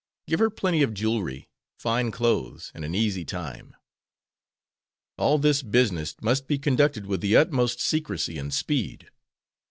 Give her plenty of jewelry, fine clothes, and an easy time." "All this business must be conducted with the utmost secrecy and speed.